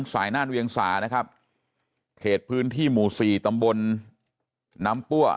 น่านเวียงสานะครับเขตพื้นที่หมู่สี่ตำบลน้ำปั้ว